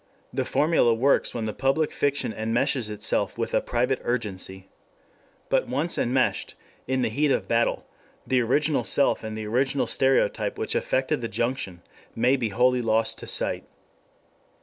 The formula works when the public fiction enmeshes itself with a private urgency. But once enmeshed, in the heat of battle, the original self and the original stereotype which effected the junction may be wholly lost to sight.